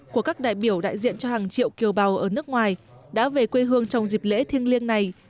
của các đại biểu đại diện cho hàng triệu kiều bào ở nước ngoài đã về quê hương trong dịp lễ thiêng liêng này